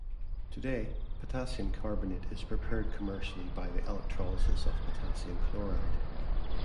Today, potassium carbonate is prepared commercially by the electrolysis of potassium chloride.